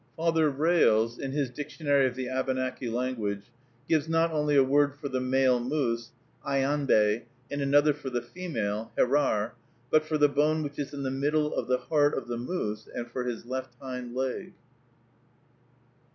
Father Rasles, in his Dictionary of the Abenaki Language, gives not only a word for the male moose (aianbé), and another for the female (hèrar), but for the bone which is in the middle of the heart of the moose (!), and for his left hind leg.